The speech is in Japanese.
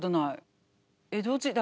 江戸時代。